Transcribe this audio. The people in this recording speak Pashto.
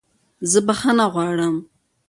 زه بخښنه غواړم!